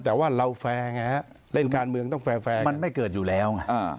แต่ว่าเราแฟร์ไงฮะเล่นการเมืองต้องแฟร์มันไม่เกิดอยู่แล้วไง